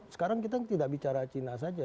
sekarang kita tidak bicara cina saja